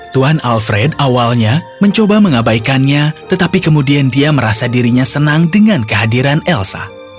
tuan alfred awalnya mencoba mengabaikannya tetapi kemudian dia merasa dirinya senang dengan kehadiran elsa